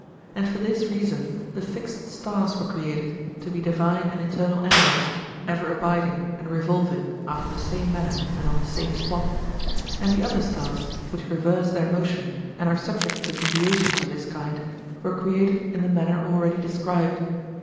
And for this reason the fixed stars were created, to be divine and eternal animals, ever abiding and revolving after the same manner and on the same spot; and the other stars which reverse their motion and are subject to deviations of this kind, were created in the manner already described.